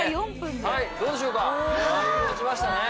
はいどうでしょうかだいぶ落ちましたね。